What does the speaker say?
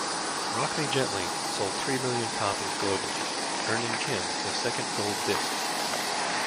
"Rock Me Gently" sold three million copies globally, earning Kim his second gold disc.